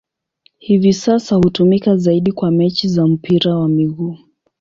Hivi sasa hutumika zaidi kwa mechi za mpira wa miguu.